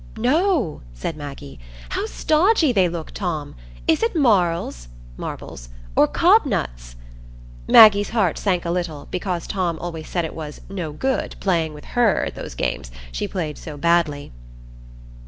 "No," said Maggie. "How stodgy they look, Tom! Is it marls (marbles) or cobnuts?" Maggie's heart sank a little, because Tom always said it was "no good" playing with her at those games, she played so badly.